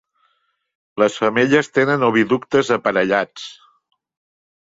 Les femelles tenen oviductes aparellats.